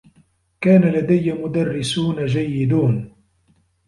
كان لديّ مدرّسون جيّدون.